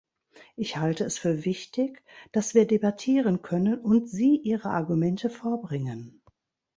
Ich halte es für wichtig, dass wir debattieren können und Sie Ihre Argumente vorbringen.